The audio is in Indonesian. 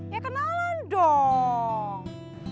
ya kenalan dong